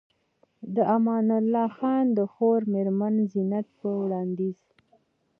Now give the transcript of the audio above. د امان الله خان د خور مېرمن زينب په وړانديز